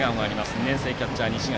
２年生キャッチャーの西垣。